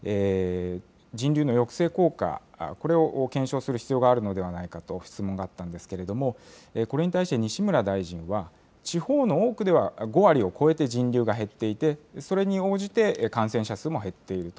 人流の抑制効果、これを検証する必要があるのではないかと質問があったんですけれども、これに対して西村大臣は、地方の多くでは５割を超えて人流が減っていて、それに応じて感染者数も減っていると。